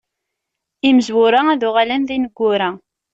Imezwura ad uɣalen d ineggura.